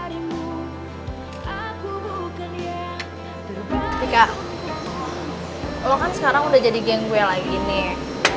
aku kan sekarang udah jadi geng gue lagi nih